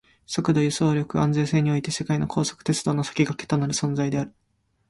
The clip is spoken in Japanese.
速度、輸送力、安全性において世界の高速鉄道の先駆けとなる存在である